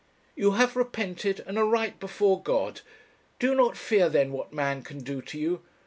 'You have repented, and are right before God; do not fear then what man can do to you.